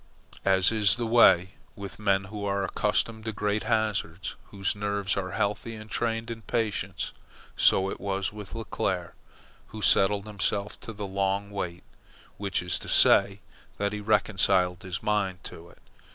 As is the way with men who are accustomed to great hazards, whose nerves are healthy and trained in patience, so it was with Leclere who settled himself to the long wait which is to say that he reconciled his mind to it.